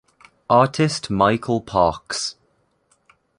Artist Michael Parkes.